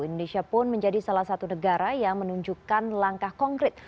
indonesia pun menjadi salah satu negara yang menunjukkan langkah konkret